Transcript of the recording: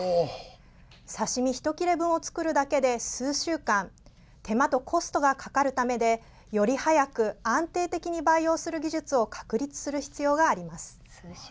刺身一切れ分を作るだけで数週間、手間とコストがかかるためでより早く、安定的に培養する技術を確立する必要があります。